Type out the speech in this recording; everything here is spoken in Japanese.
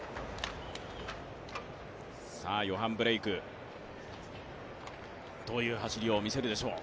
ヨハン・ブレイク、どういう走りを見せるでしょう。